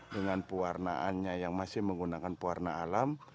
dengan pewarnaannya yang masih menggunakan pewarna alam